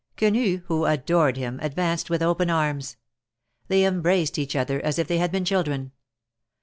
Quenu, who adored him, advanced with open arms. They embraced each other as if they had been children.